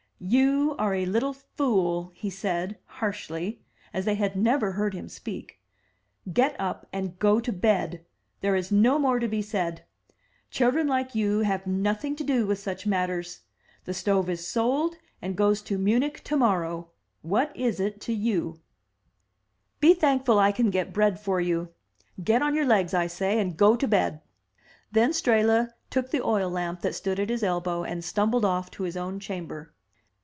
"You are a little fool," he said, harshly, as they had never heard him speak. "Get up and go to bed. There is no more to be said. Children like you have nothing to do with such mat ters. The stove is sold, and goes to Munich tomorrow. What is it to you? 293 MY BOOK HOUSE Be thankful I can get bread for you. Get on your legs, I say, and go to bed/' Then Strehla took the oil lamp that stood at his elbow and stumbled off to his own chamber.